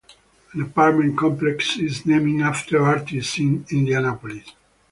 An apartment complex is named after Artis in Indianapolis.